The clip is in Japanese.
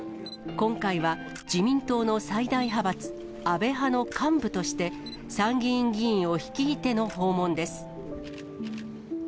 今回は、自民党の最大派閥、安倍派の幹部として、参議院議員を率いての訪問です。